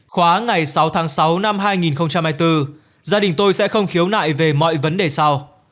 khóa ngày sáu tháng sáu năm hai nghìn hai mươi bốn gia đình tôi sẽ không khiếu nại về mọi vấn đề sau